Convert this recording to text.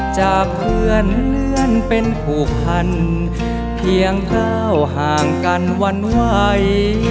จากเพื่อนเลื่อนเป็นผูกพันเพียงข้าวห่างกันวันไหว